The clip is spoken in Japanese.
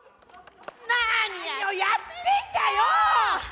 何をやってんだよ！